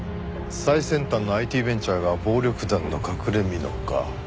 最先端のＩＴベンチャーが暴力団の隠れみのか。